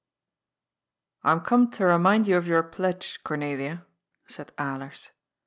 I AM come to remind you of your pledge, Cornelia,*' said Alers.